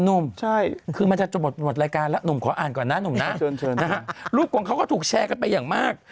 หนุ่มใช่คือมันจะหมดรายการแล้วหนุ่มขออ่านก่อนนะหนุ่มนะเชิญนะฮะรูปของเขาก็ถูกแชร์กันไปอย่างมาก